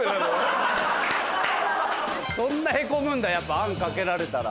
そんなヘコむんだあんかけられたら。